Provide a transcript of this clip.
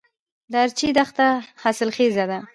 د ارچي دښته حاصلخیزه ده